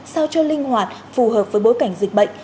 sao cho linh hoạt phù hợp với bối cảnh dịch bệnh